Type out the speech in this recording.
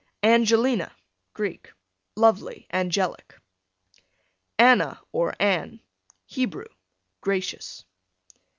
Angelina, Greek, lovely, angelic. Anna, or Anne, Hebrew, gracious.